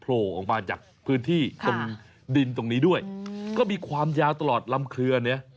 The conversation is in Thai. โผล่ออกมาจากพื้นที่ตรงดินตรงนี้ด้วยก็มีความยาวตลอดลำเครือเนี่ย